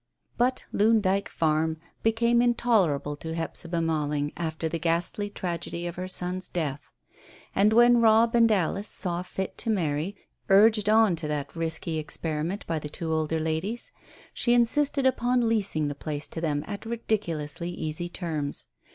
But Loon Dyke Farm became intolerable to Hephzibah Malling after the ghastly tragedy of her son's death; and when Robb and Alice saw fit to marry, urged on to that risky experiment by the two older ladies, she insisted upon leasing the place to them on ridiculously easy terms.